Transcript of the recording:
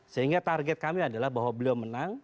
sehingga target kami adalah bahwa beliau menang